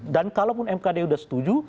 dan kalau mkd sudah setuju